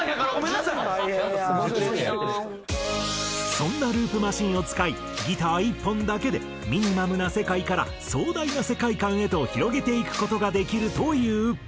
そんなループマシンを使いギター１本だけでミニマムな世界から壮大な世界観へと広げていく事ができるという。